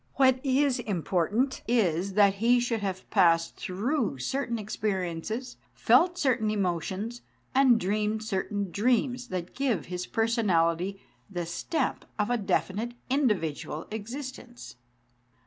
What is important is, that he should have passed through certain experiences, felt certain emotions, and dreamed certain dreams, that give his personality the stamp of a definite individual existence.